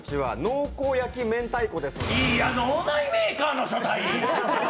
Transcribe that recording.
いや、脳内メーカーの書体！